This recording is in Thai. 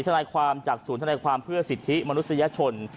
ทนายความจากศูนย์ธนายความเพื่อสิทธิมนุษยชน